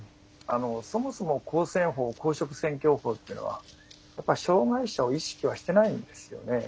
そもそも公選法公職選挙法というのは障害者を意識はしていないんですよね。